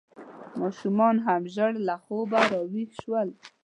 ماشومان هم ژر له خوبه راویښ شول.